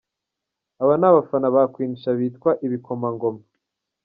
Aba ni abafana ba Queen Cha bitwa "Ibikomangoma".